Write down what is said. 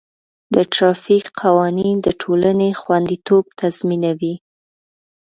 د ټرافیک قوانین د ټولنې خوندیتوب تضمینوي.